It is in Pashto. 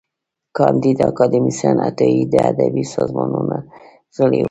کانديد اکاډميسن عطايي د ادبي سازمانونو غړی و.